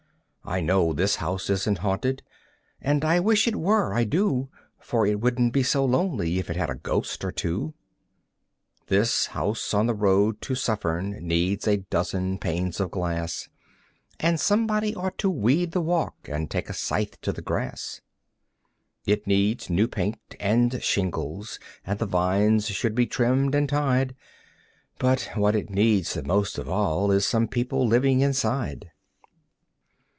I know this house isn't haunted, and I wish it were, I do; For it wouldn't be so lonely if it had a ghost or two. This house on the road to Suffern needs a dozen panes of glass, And somebody ought to weed the walk and take a scythe to the grass. It needs new paint and shingles, and the vines should be trimmed and tied; But what it needs the most of all is some people living inside.